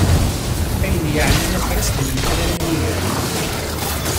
Ayen yeɛnan afras d lemḥadra n yigran.